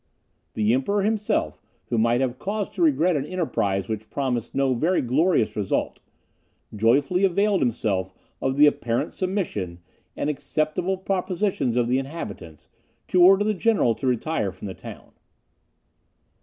The Emperor himself, who might have cause to regret an enterprise which promised no very glorious result, joyfully availed himself of the apparent submission and acceptable propositions of the inhabitants, to order the general to retire from the town.